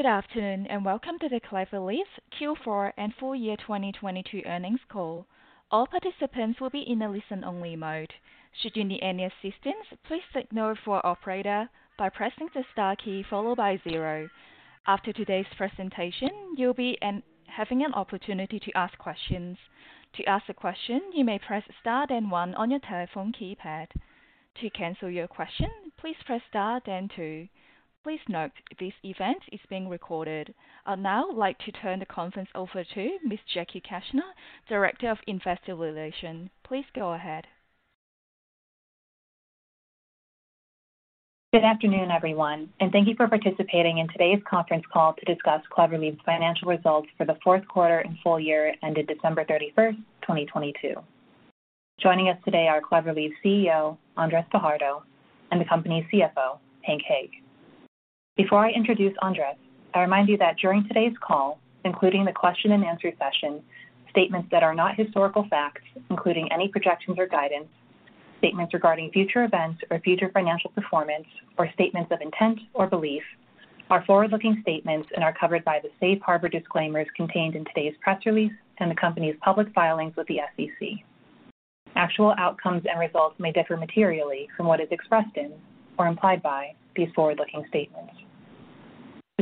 Good afternoon, welcome to the Clever Leaves' Q4 and Full Year 2022 Earnings Call. All participants will be in a listen-only mode. Should you need any assistance, please signal for operator by pressing the star key followed by zero. After today's presentation, you'll be having an opportunity to ask questions. To ask a question, you may press star then one on your telephone keypad. To cancel your question, please press star then two. Please note this event is being recorded. I'd now like to turn the conference over to Ms. Jackie Keshner, Director of Investor Relations. Please go ahead. Good afternoon, everyone, and thank you for participating in today's conference call to discuss Clever Leaves' financial results for the fourth quarter and full year ended December 31st, 2022. Joining us today are Clever Leaves' CEO, Andrés Fajardo, and the company's CFO, Hank Hague. Before I introduce Andrés, I remind you that during today's call, including the question and answer session, statements that are not historical facts, including any projections or guidance, statements regarding future events or future financial performance or statements of intent or belief are forward-looking statements and are covered by the safe harbor disclaimers contained in today's press release and the company's public filings with the SEC. Actual outcomes and results may differ materially from what is expressed in or implied by these forward-looking statements.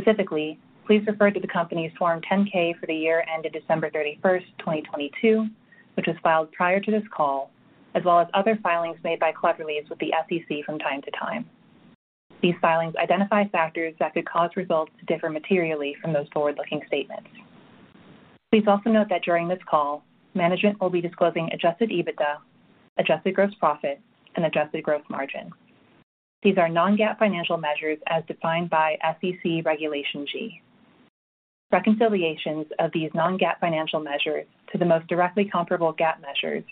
Specifically, please refer to the company's Form 10-K for the year ended December 31st, 2022, which was filed prior to this call, as well as other filings made by Clever Leaves with the SEC from time to time. These filings identify factors that could cause results to differ materially from those forward-looking statements. Please also note that during this call, management will be disclosing adjusted EBITDA, adjusted gross profit and adjusted gross margin. These are non-GAAP financial measures as defined by SEC Regulation G. Reconciliations of these non-GAAP financial measures to the most directly comparable GAAP measures,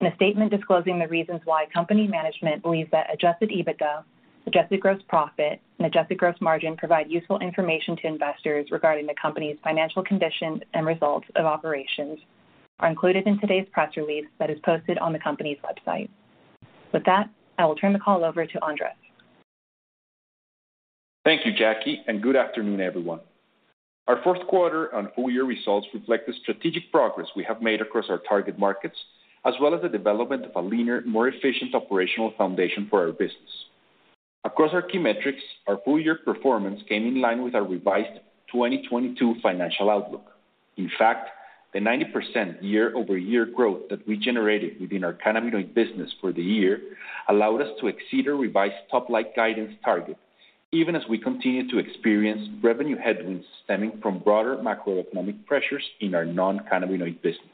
and a statement disclosing the reasons why company management believes that adjusted EBITDA, adjusted gross profit and adjusted gross margin provide useful information to investors regarding the company's financial condition and results of operations are included in today's press release that is posted on the company's website. With that, I will turn the call over to Andrés. Thank you, Jackie, and good afternoon, everyone. Our fourth quarter on full year results reflect the strategic progress we have made across our target markets, as well as the development of a leaner, more efficient operational foundation for our business. Across our key metrics, our full year performance came in line with our revised 2022 financial outlook. In fact, the 90% year-over-year growth that we generated within our cannabinoid business for the year allowed us to exceed our revised top-line guidance target, even as we continue to experience revenue headwinds stemming from broader macroeconomic pressures in our non-cannabinoid business.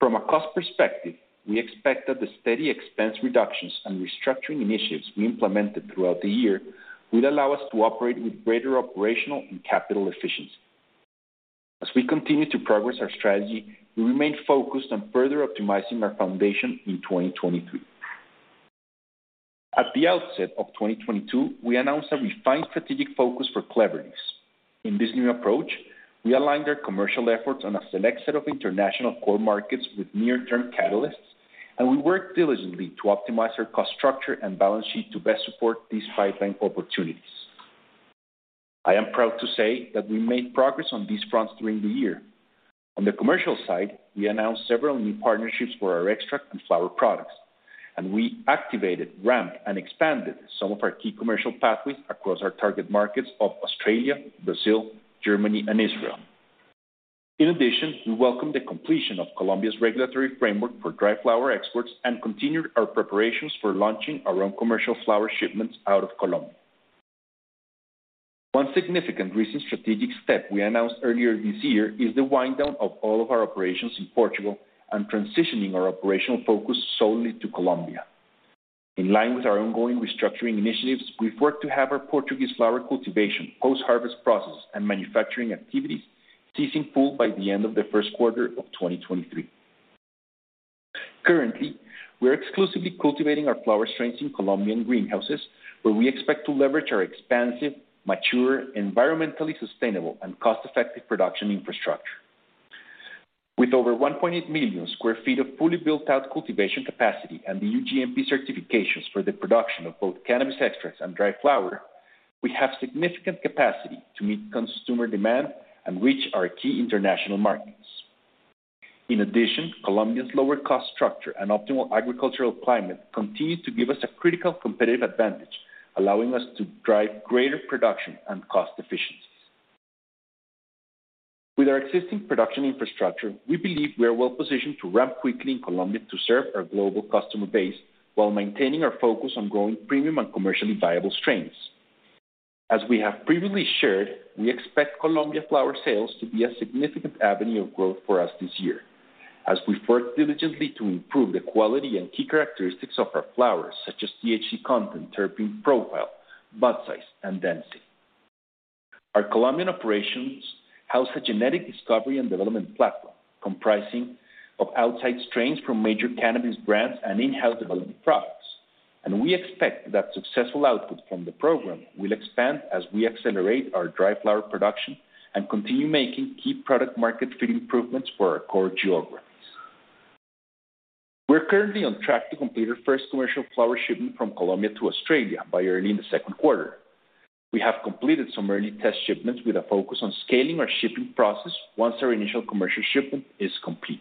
From a cost perspective, we expect that the steady expense reductions and restructuring initiatives we implemented throughout the year will allow us to operate with greater operational and capital efficiency. As we continue to progress our strategy, we remain focused on further optimizing our foundation in 2023. At the outset of 2022, we announced a refined strategic focus for Clever Leaves. In this new approach, we aligned our commercial efforts on a select set of international core markets with near-term catalysts. We worked diligently to optimize our cost structure and balance sheet to best support these pipeline opportunities. I am proud to say that we made progress on these fronts during the year. On the commercial side, we announced several new partnerships for our extract and flower products. We activated, ramped, and expanded some of our key commercial pathways across our target markets of Australia, Brazil, Germany and Israel. In addition, we welcome the completion of Colombia's regulatory framework for dry flower exports and continued our preparations for launching our own commercial flower shipments out of Colombia. One significant recent strategic step we announced earlier this year is the wind down of all of our operations in Portugal and transitioning our operational focus solely to Colombia. In line with our ongoing restructuring initiatives, we've worked to have our Portuguese flower cultivation, post-harvest process, and manufacturing activities ceasing full by the end of the first quarter of 2023. Currently, we're exclusively cultivating our flower strains in Colombian greenhouses, where we expect to leverage our expansive, mature, environmentally sustainable and cost-effective production infrastructure. With over 1.8 million sq ft of fully built-out cultivation capacity and the EU-GMP certifications for the production of both cannabis extracts and dry flower, we have significant capacity to meet consumer demand and reach our key international markets. In addition, Colombia's lower cost structure and optimal agricultural climate continue to give us a critical competitive advantage, allowing us to drive greater production and cost efficiencies. With our existing production infrastructure, we believe we are well-positioned to ramp quickly in Colombia to serve our global customer base while maintaining our focus on growing premium and commercially viable strains. As we have previously shared, we expect Colombia flower sales to be a significant avenue of growth for us this year as we work diligently to improve the quality and key characteristics of our flowers, such as THC content, terpene profile, bud size and density. Our Colombian operations house a genetic discovery and development platform comprising of outside strains from major cannabis brands and in-house development products. We expect that successful output from the program will expand as we accelerate our dry flower production and continue making key product-market fit improvements for our core geographies. We're currently on track to complete our first commercial flower shipment from Colombia to Australia by early in the second quarter. We have completed some early test shipments with a focus on scaling our shipping process once our initial commercial shipment is complete.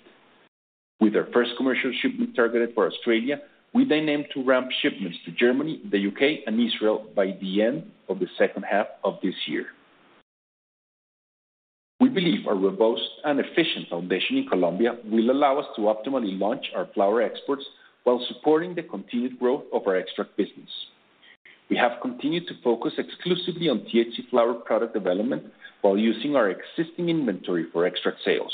With our first commercial shipment targeted for Australia, we aim to ramp shipments to Germany, the U.K., and Israel by the end of the second half of this year. We believe our robust and efficient foundation in Colombia will allow us to optimally launch our flower exports while supporting the continued growth of our extract business. We have continued to focus exclusively on THC flower product development while using our existing inventory for extract sales.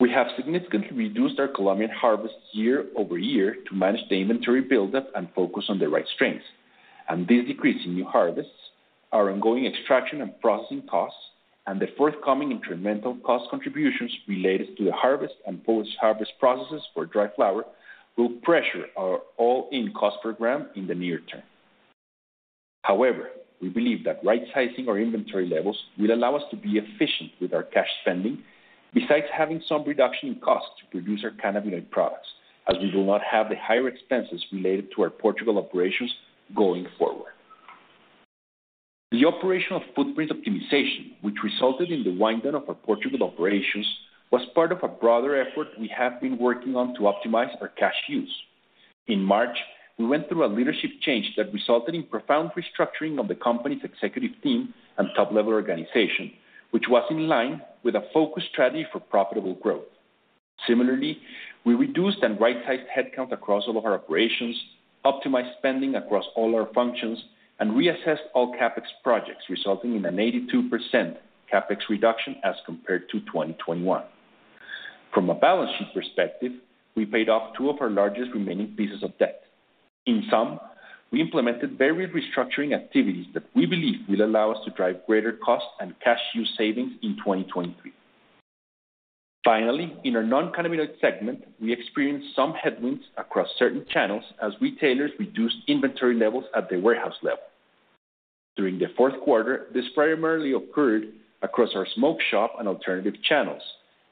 We have significantly reduced our Colombian harvest year-over-year to manage the inventory buildup and focus on the right strains. This decrease in new harvests, our ongoing extraction and processing costs, and the forthcoming incremental cost contributions related to the harvest and post-harvest processes for dry flower will pressure our all-in cost per gram in the near term. We believe that right-sizing our inventory levels will allow us to be efficient with our cash spending, besides having some reduction in cost to produce our cannabinoid products, as we will not have the higher expenses related to our Portugal operations going forward. The operation of footprint optimization, which resulted in the wind down of our Portugal operations, was part of a broader effort we have been working on to optimize our cash use. In March, we went through a leadership change that resulted in profound restructuring of the company's executive team and top-level organization, which was in line with a focused strategy for profitable growth. Similarly, we reduced and right-sized headcount across all of our operations, optimized spending across all our functions, and reassessed all CapEx projects, resulting in an 82% CapEx reduction as compared to 2021. From a balance sheet perspective, we paid off two of our largest remaining pieces of debt. In sum, we implemented varied restructuring activities that we believe will allow us to drive greater cost and cash use savings in 2023. In our non-cannabinoid segment, we experienced some headwinds across certain channels as retailers reduced inventory levels at the warehouse level. During the fourth quarter, this primarily occurred across our smoke shop and alternative channels,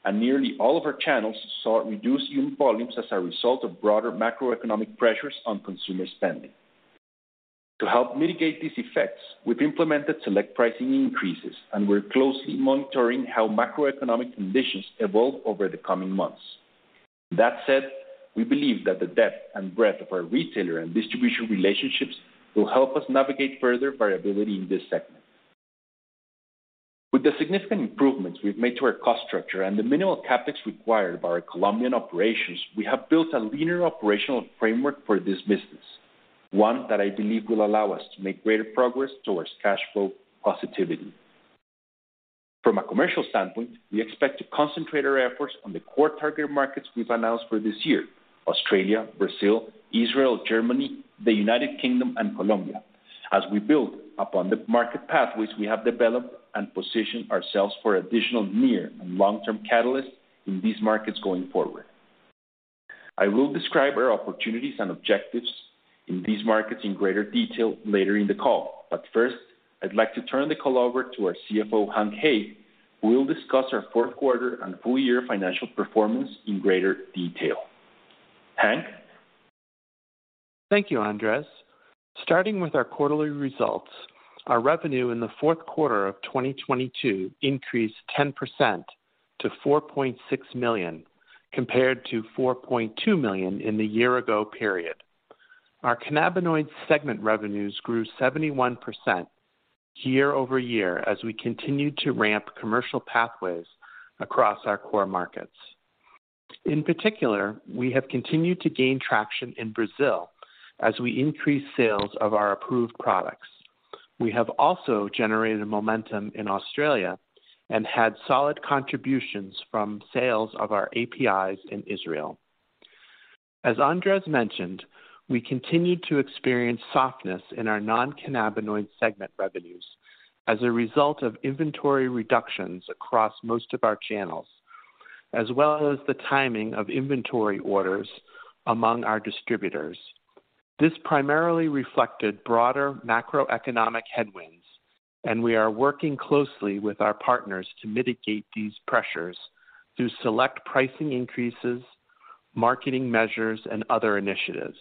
and nearly all of our channels saw reduced unit volumes as a result of broader macroeconomic pressures on consumer spending. To help mitigate these effects, we've implemented select pricing increases and we're closely monitoring how macroeconomic conditions evolve over the coming months. That said, we believe that the depth and breadth of our retailer and distribution relationships will help us navigate further variability in this segment. With the significant improvements we've made to our cost structure and the minimal CapEx required by our Colombian operations, we have built a leaner operational framework for this business, one that I believe will allow us to make greater progress towards cash flow positivity. From a commercial standpoint, we expect to concentrate our efforts on the core target markets we've announced for this year, Australia, Brazil, Israel, Germany, the United Kingdom, and Colombia, as we build upon the market pathways we have developed and position ourselves for additional near and long-term catalysts in these markets going forward. I will describe our opportunities and objectives in these markets in greater detail later in the call. First, I'd like to turn the call over to our CFO, Hank Hague, who will discuss our fourth quarter and full year financial performance in greater detail. Hank? Thank you, Andrés. Starting with our quarterly results, our revenue in the fourth quarter of 2022 increased 10% to $4.6 million, compared to $4.2 million in the year-ago period. Our cannabinoid segment revenues grew 71% year-over-year as we continued to ramp commercial pathways across our core markets. In particular, we have continued to gain traction in Brazil as we increase sales of our approved products. We have also generated momentum in Australia and had solid contributions from sales of our APIs in Israel. As Andrés mentioned, we continued to experience softness in our non-cannabinoid segment revenues as a result of inventory reductions across most of our channels, as well as the timing of inventory orders among our distributors. This primarily reflected broader macroeconomic headwinds. We are working closely with our partners to mitigate these pressures through select pricing increases, marketing measures, and other initiatives.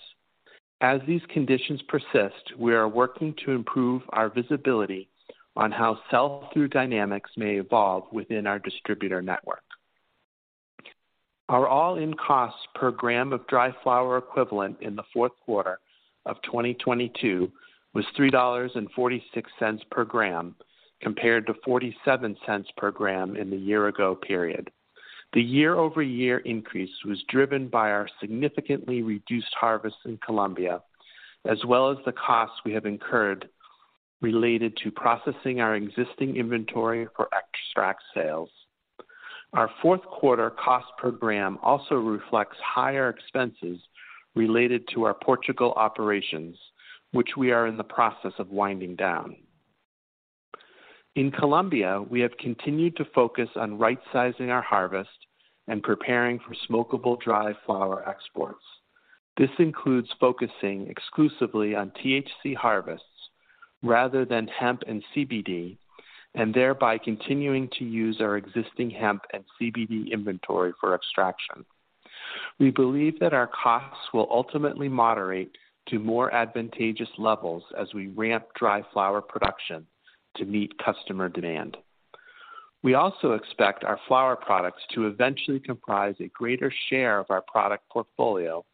As these conditions persist, we are working to improve our visibility on how sell-through dynamics may evolve within our distributor network. Our all-in cost per gram of dry flower equivalent in the fourth quarter of 2022 was $3.46 per gram, compared to $0.47 per gram in the year ago period. The year-over-year increase was driven by our significantly reduced harvest in Colombia, as well as the cost we have incurred related to processing our existing inventory for extract sales. Our fourth quarter cost per gram also reflects higher expenses related to our Portugal operations, which we are in the process of winding down. In Colombia, we have continued to focus on right-sizing our harvest and preparing for smokable dry flower exports. This includes focusing exclusively on THC harvests rather than hemp and CBD, and thereby continuing to use our existing hemp and CBD inventory for extraction. We believe that our costs will ultimately moderate to more advantageous levels as we ramp dry flower production to meet customer demand. We also expect our flower products to eventually comprise a greater share of our product portfolio,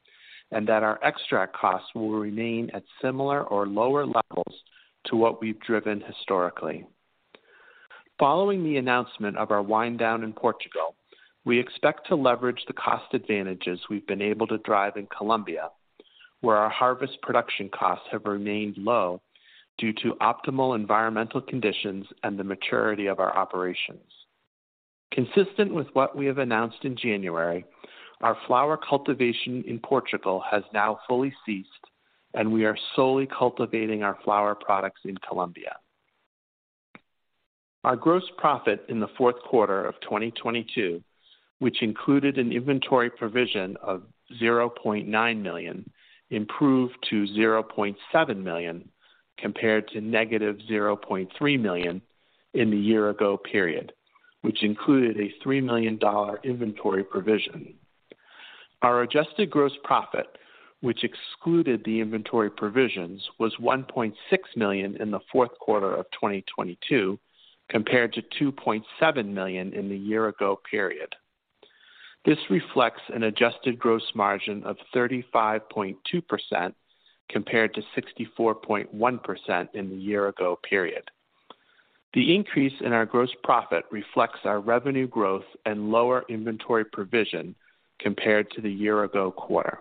and that our extract costs will remain at similar or lower levels to what we've driven historically. Following the announcement of our wind down in Portugal, we expect to leverage the cost advantages we've been able to drive in Colombia, where our harvest production costs have remained low due to optimal environmental conditions and the maturity of our operations. Consistent with what we have announced in January, our flower cultivation in Portugal has now fully ceased, and we are solely cultivating our flower products in Colombia. Our gross profit in the fourth quarter of 2022, which included an inventory provision of $0.9 million, improved to $0.7 million compared to -$0.3 million in the year-ago period, which included a $3 million inventory provision. Our adjusted gross profit, which excluded the inventory provisions, was $1.6 million in the fourth quarter of 2022 compared to $2.7 million in the year-ago period. This reflects an adjusted gross margin of 35.2% compared to 64.1% in the year-ago period. The increase in our gross profit reflects our revenue growth and lower inventory provision compared to the year-ago quarter,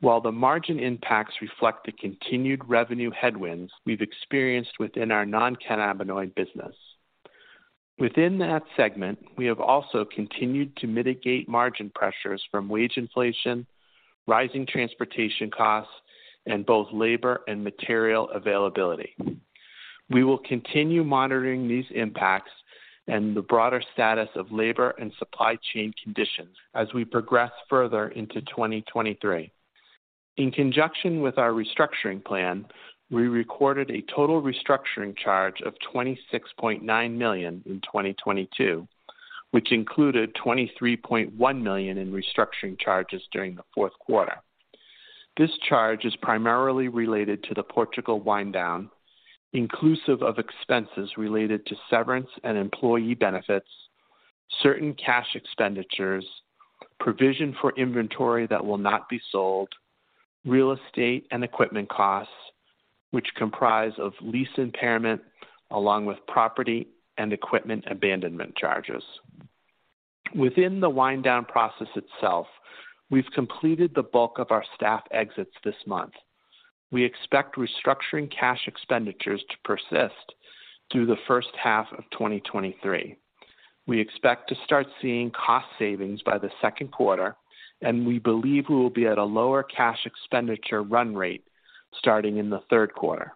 while the margin impacts reflect the continued revenue headwinds we've experienced within our non-cannabinoid business. Within that segment, we have also continued to mitigate margin pressures from wage inflation, rising transportation costs, and both labor and material availability. We will continue monitoring these impacts and the broader status of labor and supply chain conditions as we progress further into 2023. In conjunction with our restructuring plan, we recorded a total restructuring charge of $26.9 million in 2022, which included $23.1 million in restructuring charges during the fourth quarter. This charge is primarily related to the Portugal wind down, inclusive of expenses related to severance and employee benefits, certain cash expenditures, provision for inventory that will not be sold, real estate and equipment costs, which comprise of lease impairment along with property and equipment abandonment charges. Within the wind down process itself, we've completed the bulk of our staff exits this month. We expect restructuring cash expenditures to persist through the first half of 2023. We expect to start seeing cost savings by the second quarter, and we believe we will be at a lower cash expenditure run rate starting in the third quarter.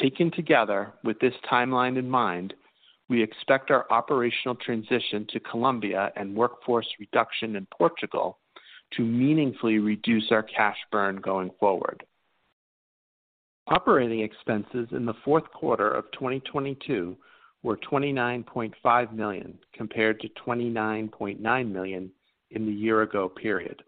Taken together with this timeline in mind, we expect our operational transition to Colombia and workforce reduction in Portugal to meaningfully reduce our cash burn going forward. Operating expenses in the fourth quarter of 2022 were $29.5 million compared to $29.9 million in the year-ago period.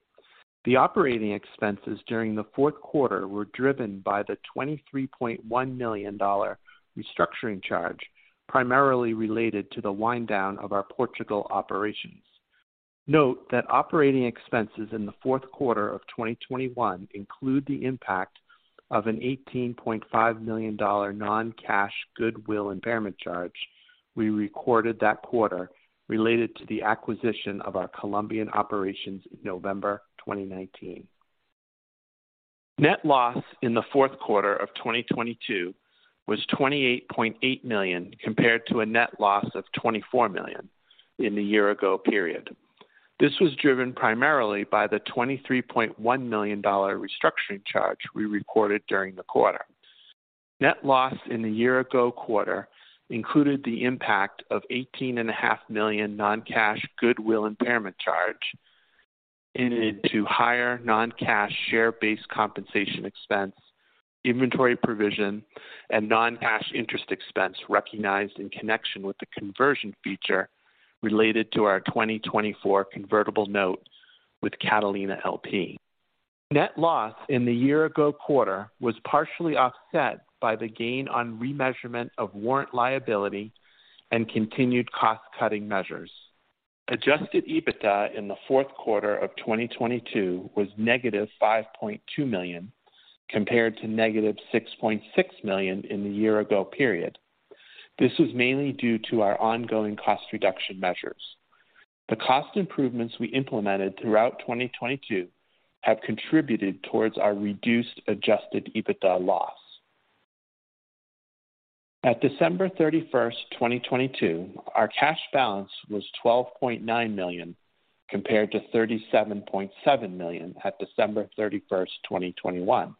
The operating expenses during the fourth quarter were driven by the $23.1 million restructuring charge, primarily related to the wind down of our Portugal operations. Note that operating expenses in the fourth quarter of 2021 include the impact of an $18.5 million non-cash goodwill impairment charge we recorded that quarter related to the acquisition of our Colombian operations in November 2019. Net loss in the fourth quarter of 2022 was $28.8 million compared to a net loss of $24 million in the year-ago period. This was driven primarily by the $23.1 million restructuring charge we recorded during the quarter. Net loss in the year-ago quarter included the impact of $18.5 million non-cash goodwill impairment charge into higher non-cash share-based compensation expense, inventory provision, and non-cash interest expense recognized in connection with the conversion feature related to our 2024 convertible note with Catalina LP. Net loss in the year-ago quarter was partially offset by the gain on remeasurement of warrant liability and continued cost-cutting measures. Adjusted EBITDA in the fourth quarter of 2022 was -$5.2 million compared to -$6.6 million in the year-ago period. This was mainly due to our ongoing cost reduction measures. The cost improvements we implemented throughout 2022 have contributed towards our reduced adjusted EBITDA loss. At December 31st, 2022, our cash balance was $12.9 million compared to $37.7 million at December 31st, 2021.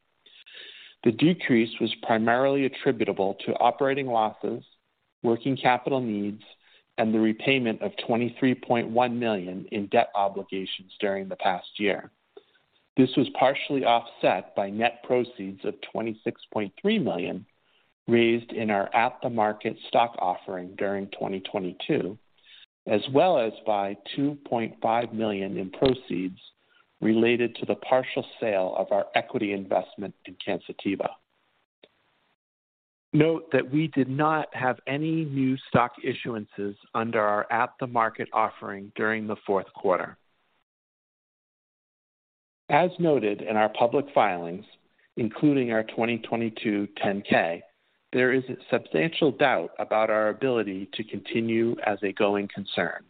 The decrease was primarily attributable to operating losses, working capital needs, and the repayment of $23.1 million in debt obligations during the past year. This was partially offset by net proceeds of $26.3 million raised in our at-the-market stock offering during 2022, as well as by $2.5 million in proceeds related to the partial sale of our equity investment in Cansativa. Note that we did not have any new stock issuances under our at-the-market offering during the fourth quarter. As noted in our public filings, including our 2022 10-K, there is substantial doubt about our ability to continue as a going concern.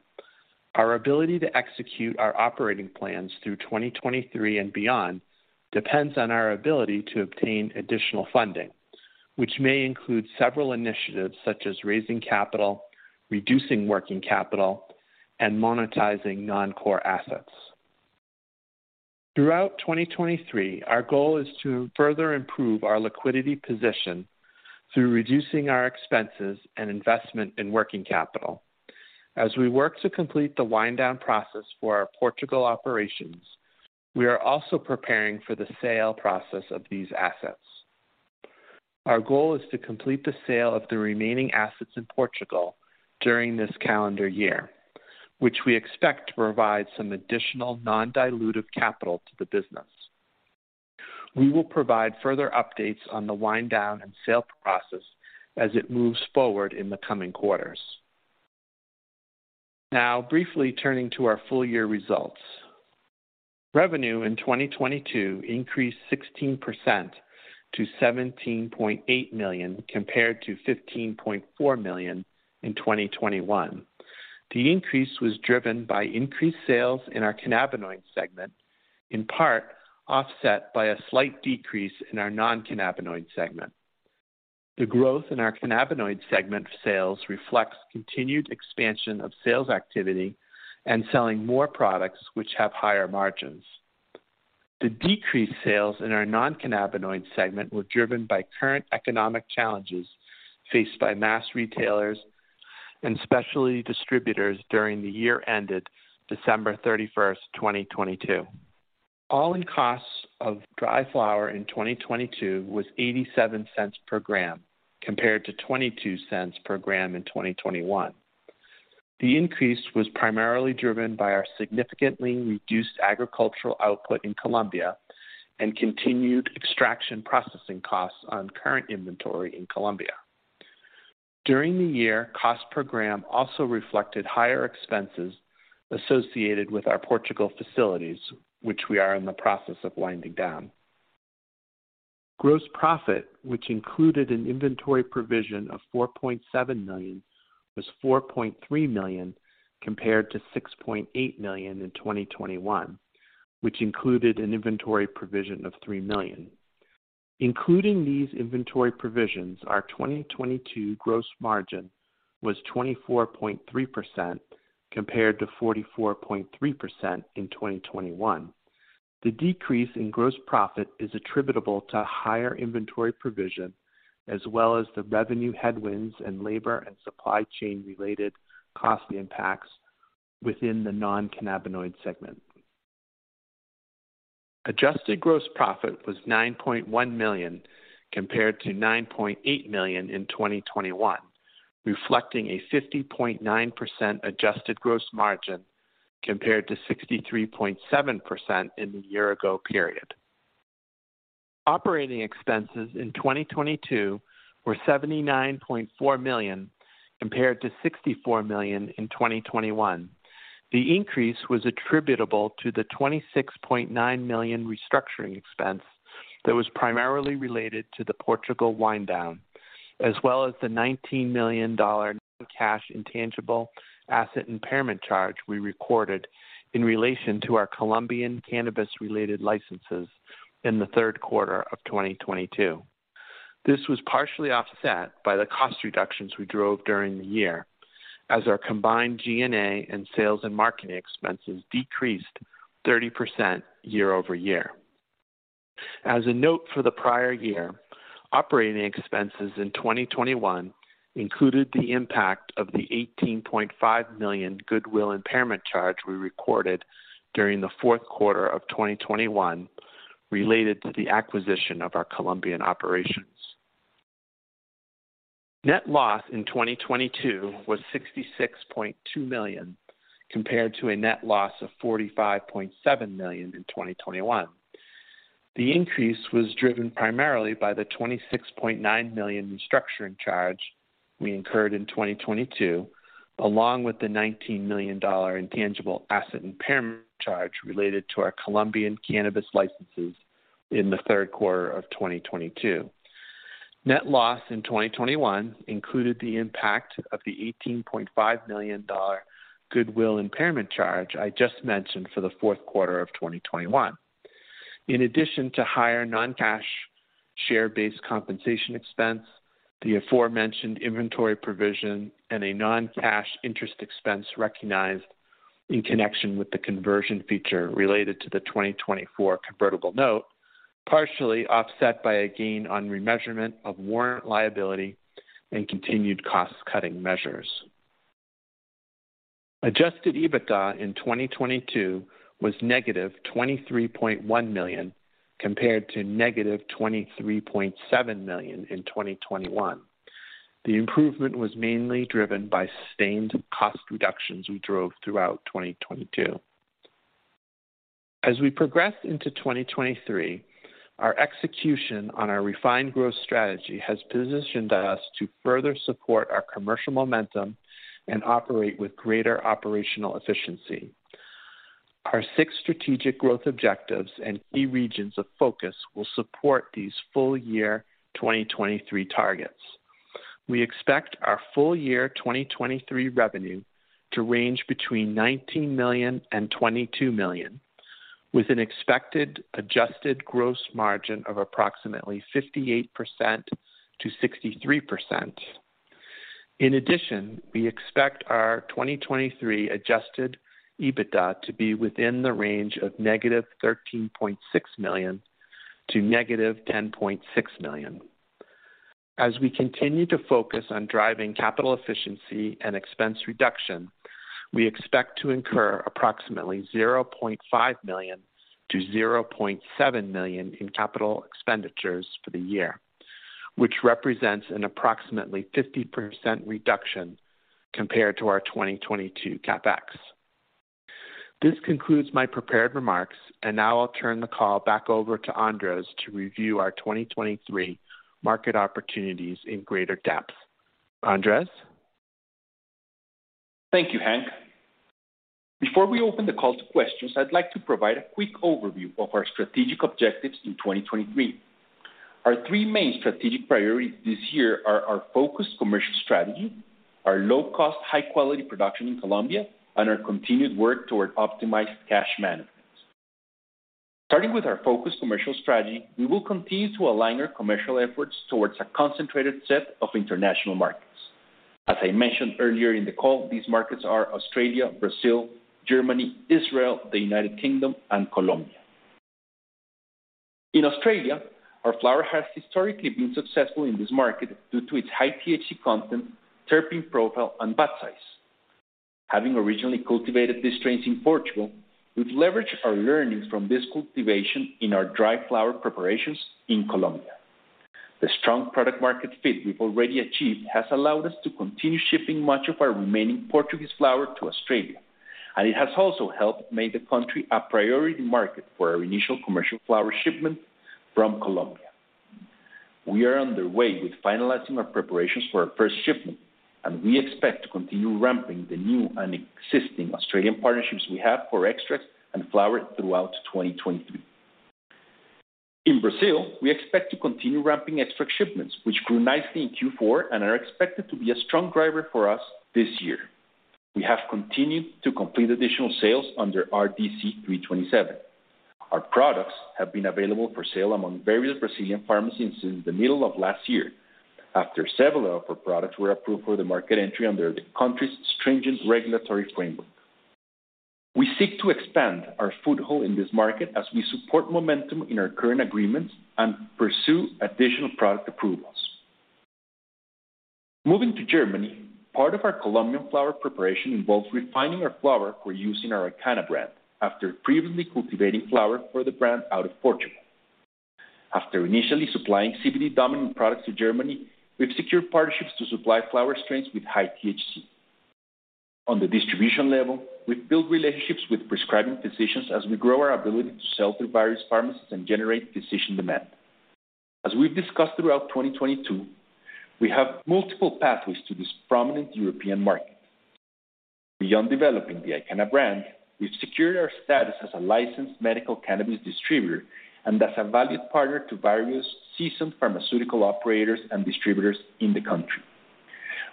Our ability to execute our operating plans through 2023 and beyond depends on our ability to obtain additional funding, which may include several initiatives such as raising capital, reducing working capital, and monetizing non-core assets. Throughout 2023, our goal is to further improve our liquidity position through reducing our expenses and investment in working capital. We work to complete the wind down process for our Portugal operations, we are also preparing for the sale process of these assets. Our goal is to complete the sale of the remaining assets in Portugal during this calendar year, which we expect to provide some additional non-dilutive capital to the business. We will provide further updates on the wind down and sale process as it moves forward in the coming quarters. Briefly turning to our full year results. Revenue in 2022 increased 16% to $17.8 million compared to $15.4 million in 2021. The increase was driven by increased sales in our cannabinoid segment, in part offset by a slight decrease in our non-cannabinoid segment. The growth in our cannabinoid segment sales reflects continued expansion of sales activity and selling more products which have higher margins. The decreased sales in our non-cannabinoid segment were driven by current economic challenges faced by mass retailers and specialty distributors during the year ended December 31st, 2022. All-in costs of dry flower in 2022 was $0.87 per gram compared to $0.22 per gram in 2021. The increase was primarily driven by our significantly reduced agricultural output in Colombia and continued extraction processing costs on current inventory in Colombia. During the year, cost per gram also reflected higher expenses associated with our Portugal facilities, which we are in the process of winding down. Gross profit, which included an inventory provision of $4.7 million, was $4.3 million compared to $6.8 million in 2021, which included an inventory provision of $3 million. Including these inventory provisions, our 2022 gross margin was 24.3% compared to 44.3% in 2021. The decrease in gross profit is attributable to higher inventory provision as well as the revenue headwinds and labor and supply chain-related cost impacts within the non-cannabinoid segment. Adjusted gross profit was $9.1 million compared to $9.8 million in 2021, reflecting a 50.9% adjusted gross margin compared to 63.7% in the year ago period. Operating expenses in 2022 were $79.4 million compared to $64 million in 2021. The increase was attributable to the $26.9 million restructuring expense that was primarily related to the Portugal wind down, as well as the $19 million non-cash intangible asset impairment charge we recorded in relation to our Colombian cannabis-related licenses in the third quarter of 2022. This was partially offset by the cost reductions we drove during the year as our combined G&A and sales and marketing expenses decreased 30% year-over-year. As a note for the prior year, operating expenses in 2021 included the impact of the $18.5 million goodwill impairment charge we recorded during the fourth quarter of 2021 related to the acquisition of our Colombian operations. Net loss in 2022 was $66.2 million, compared to a net loss of $45.7 million in 2021. The increase was driven primarily by the $26.9 million restructuring charge we incurred in 2022, along with the $19 million intangible asset impairment charge related to our Colombian cannabis licenses in the third quarter of 2022. Net loss in 2021 included the impact of the $18.5 million goodwill impairment charge I just mentioned for the fourth quarter of 2021. In addition to higher non-cash share-based compensation expense, the aforementioned inventory provision and a non-cash interest expense recognized in connection with the conversion feature related to the 2024 convertible note, partially offset by a gain on remeasurement of warrant liability and continued cost-cutting measures. Adjusted EBITDA in 2022 was -$23.1 million, compared to -$23.7 million in 2021. The improvement was mainly driven by sustained cost reductions we drove throughout 2022. As we progress into 2023, our execution on our refined growth strategy has positioned us to further support our commercial momentum and operate with greater operational efficiency. Our six strategic growth objectives and key regions of focus will support these full year 2023 targets. We expect our full year 2023 revenue to range between $19 million and $22 million, with an expected adjusted gross margin of approximately 58%-63%. In addition, we expect our 2023 adjusted EBITDA to be within the range of -$13.6 million to -$10.6 million. As we continue to focus on driving capital efficiency and expense reduction, we expect to incur approximately $0.5 million-$0.7 million in capital expenditures for the year, which represents an approximately 50% reduction compared to our 2022 CapEx. This concludes my prepared remarks, now I'll turn the call back over to Andrés to review our 2023 market opportunities in greater depth. Andrés. Thank you, Hank. Before we open the call to questions, I'd like to provide a quick overview of our strategic objectives in 2023. Our three main strategic priorities this year are our focused commercial strategy, our low-cost, high-quality production in Colombia, and our continued work toward optimized cash management. Starting with our focused commercial strategy, we will continue to align our commercial efforts towards a concentrated set of international markets. As I mentioned earlier in the call, these markets are Australia, Brazil, Germany, Israel, the United Kingdom, and Colombia. In Australia, our flower has historically been successful in this market due to its high THC content, terpene profile, and bud size. Having originally cultivated these strains in Portugal, we've leveraged our learnings from this cultivation in our dry flower preparations in Colombia. The strong product-market fit we've already achieved has allowed us to continue shipping much of our remaining Portuguese flower to Australia, and it has also helped make the country a priority market for our initial commercial flower shipment from Colombia. We are underway with finalizing our preparations for our first shipment. We expect to continue ramping the new and existing Australian partnerships we have for extracts and flower throughout 2023. In Brazil, we expect to continue ramping extract shipments, which grew nicely in Q4 and are expected to be a strong driver for us this year. We have continued to complete additional sales under RDC 327. Our products have been available for sale among various Brazilian pharmacies since the middle of last year, after several of our products were approved for the market entry under the country's stringent regulatory framework. We seek to expand our foothold in this market as we support momentum in our current agreements and pursue additional product approvals. Moving to Germany, part of our Colombian flower preparation involves refining our flower for use in our IQANNA brand, after previously cultivating flower for the brand out of Portugal. After initially supplying CBD-dominant products to Germany, we've secured partnerships to supply flower strains with high THC. On the distribution level, we've built relationships with prescribing physicians as we grow our ability to sell through various pharmacies and generate physician demand. As we've discussed throughout 2022, we have multiple pathways to this prominent European market. Beyond developing the IQANNA brand, we've secured our status as a licensed medical cannabis distributor and as a valued partner to various seasoned pharmaceutical operators and distributors in the country.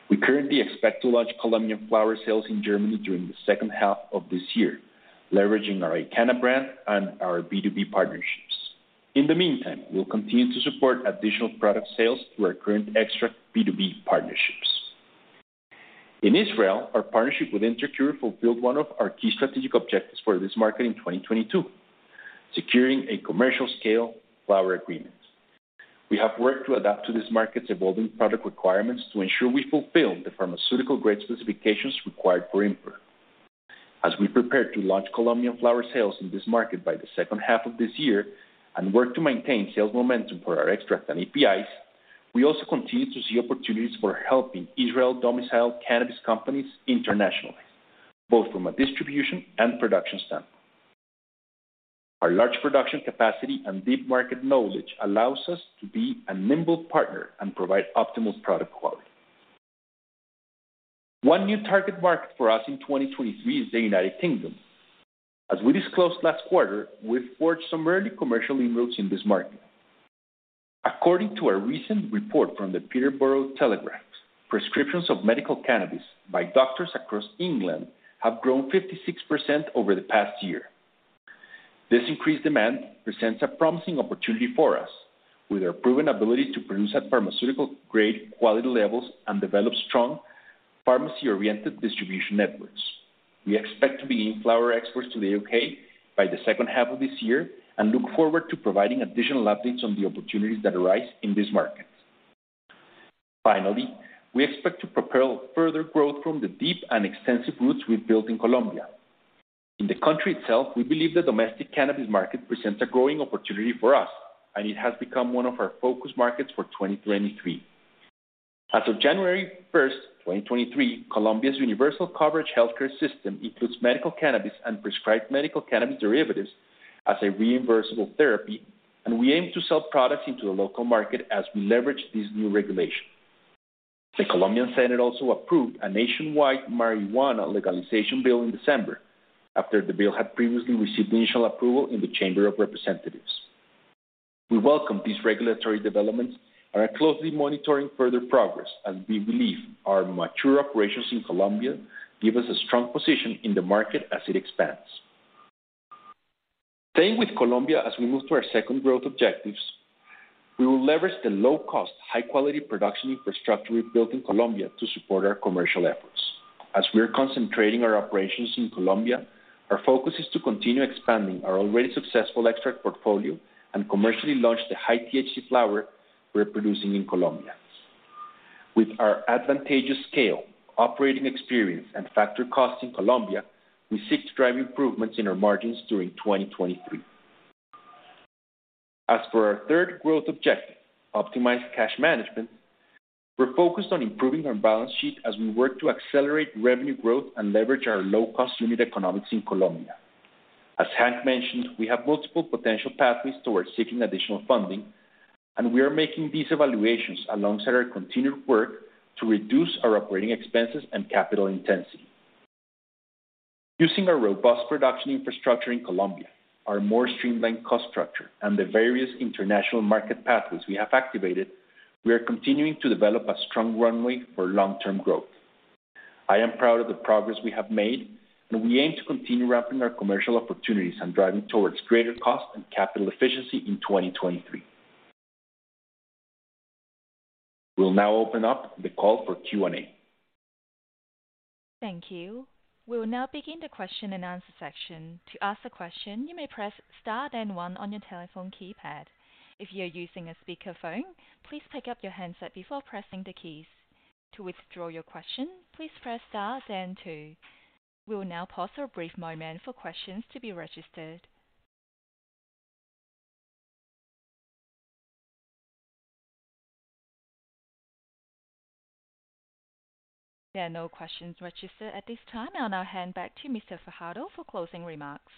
We currently expect to launch Colombian flower sales in Germany during the second half of this year, leveraging our IQANNA brand and our B2B partnerships. In the meantime, we'll continue to support additional product sales through our current extract B2B partnerships. In Israel, our partnership with InterCure fulfilled one of our key strategic objectives for this market in 2022, securing a commercial-scale flower agreement. We have worked to adapt to this market's evolving product requirements to ensure we fulfill the pharmaceutical-grade specifications required for import. As we prepare to launch Colombian flower sales in this market by the second half of this year and work to maintain sales momentum for our extracts and APIs, we also continue to see opportunities for helping Israel-domiciled cannabis companies internationalize, both from a distribution and production standpoint. Our large production capacity and deep market knowledge allows us to be a nimble partner and provide optimal product quality. One new target market for us in 2023 is the United Kingdom. As we disclosed last quarter, we've forged some early commercial inroads in this market. According to a recent report from the Peterborough Telegraph, prescriptions of medical cannabis by doctors across England have grown 56% over the past year. This increased demand presents a promising opportunity for us, with our proven ability to produce at pharmaceutical-grade quality levels and develop strong pharmacy-oriented distribution networks. We expect to begin flower exports to the U.K. by the second half of this year and look forward to providing additional updates on the opportunities that arise in this market. We expect to propel further growth from the deep and extensive roots we've built in Colombia. In the country itself, we believe the domestic cannabis market presents a growing opportunity for us, and it has become one of our focus markets for 2023. As of January 1st, 2023, Colombia's universal coverage healthcare system includes medical cannabis and prescribed medical cannabis derivatives as a reimbursable therapy, and we aim to sell products into the local market as we leverage this new regulation. The Colombian Senate also approved a nationwide marijuana legalization bill in December after the bill had previously received initial approval in the Chamber of Representatives. We welcome these regulatory developments and are closely monitoring further progress as we believe our mature operations in Colombia give us a strong position in the market as it expands. Staying with Colombia as we move to our second growth objectives, we will leverage the low-cost, high-quality production infrastructure we've built in Colombia to support our commercial efforts. We are concentrating our operations in Colombia, our focus is to continue expanding our already successful extract portfolio and commercially launch the high-THC flower we're producing in Colombia. With our advantageous scale, operating experience, and factor cost in Colombia, we seek to drive improvements in our margins during 2023. For our third growth objective, optimized cash management, we're focused on improving our balance sheet as we work to accelerate revenue growth and leverage our low-cost unit economics in Colombia. Hank mentioned, we have multiple potential pathways towards seeking additional funding, and we are making these evaluations alongside our continued work to reduce our operating expenses and capital intensity. Using our robust production infrastructure in Colombia, our more streamlined cost structure, and the various international market pathways we have activated, we are continuing to develop a strong runway for long-term growth. I am proud of the progress we have made, and we aim to continue wrapping our commercial opportunities and driving towards greater cost and capital efficiency in 2023. We'll now open up the call for Q&A. Thank you. We will now begin the question-and-answer section. To ask a question, you may press star then one on your telephone keypad. If you're using a speakerphone, please pick up your handset before pressing the keys. To withdraw your question, please press star then two. We will now pause for a brief moment for questions to be registered. There are no questions registered at this time. I'll now hand back to Mr. Fajardo for closing remarks.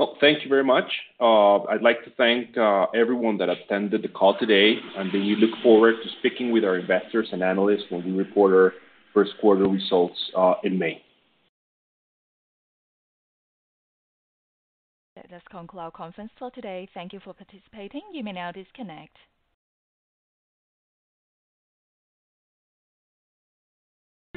Well, thank you very much. I'd like to thank everyone that attended the call today, and we look forward to speaking with our investors and analysts when we report our first quarter results in May. That does conclude our conference call today. Thank you for participating. You may now disconnect.